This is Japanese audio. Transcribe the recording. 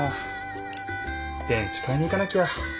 電池買いに行かなきゃ。